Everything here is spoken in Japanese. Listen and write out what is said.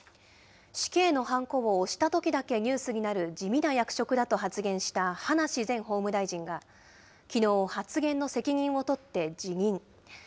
死刑のはんこを押したときだけニュースになる地味な役職だと発言した葉梨前法務大臣がきのう、発言の責任を取って辞任。